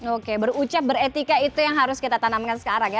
oke berucap beretika itu yang harus kita tanamkan sekarang ya